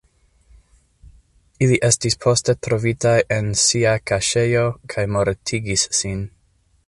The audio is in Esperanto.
Ili estis poste trovitaj en sia kaŝejo kaj mortigis sin.